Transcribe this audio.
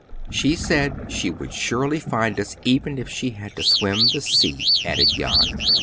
"She said she would surely find us even if she had to swim the sea," added Jan.